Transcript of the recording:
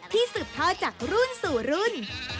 ที่สืบเทาจากรุ่นสู่รุ่น